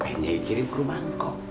pengennya ikirin ke rumah lu kok